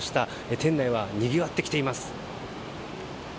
店内は、にぎわってきています。